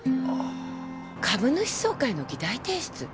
株主総会の議題提出？